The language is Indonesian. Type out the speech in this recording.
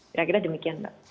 kira kira demikian mbak